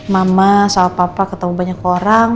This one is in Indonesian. mama sama papa ketemu banyak orang